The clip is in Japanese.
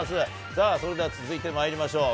さあ、それでは続いてまいりましょう。